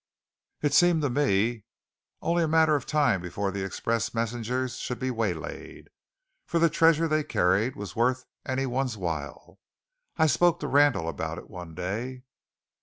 It seemed to me only a matter of time before the express messengers should be waylaid, for the treasure they carried was worth any one's while. I spoke to Randall about it one day.